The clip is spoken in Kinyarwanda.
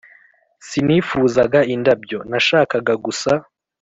sinifuzaga indabyo, nashakaga gusa